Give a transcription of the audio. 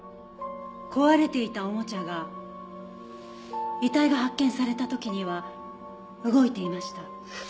壊れていたおもちゃが遺体が発見された時には動いていました。